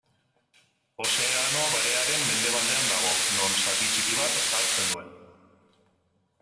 Ozeano Barearen mendebaldean dago, non zati txiki bat hartzen duen.